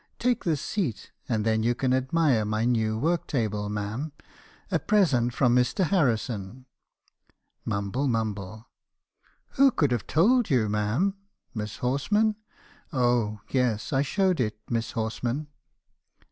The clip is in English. Take this seat, and then you can admire my new work table, ma* am; a present from Mr. Harrison.' "Mumble, mumble. "' Who could have told you , ma'am? Miss Horsman. Oh yes , I showed it Miss Horsman.'